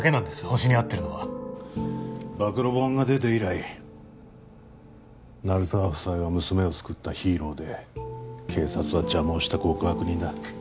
ホシに会ってるのは暴露本が出て以来鳴沢夫妻は娘を救ったヒーローで警察は邪魔をした極悪人だ